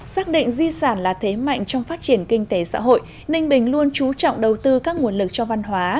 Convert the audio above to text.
xác định di sản là thế mạnh trong phát triển kinh tế xã hội ninh bình luôn trú trọng đầu tư các nguồn lực cho văn hóa